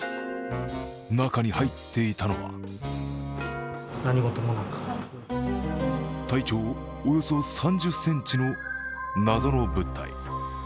中に入っていたのは体長およそ３０ｃｍの謎の物体。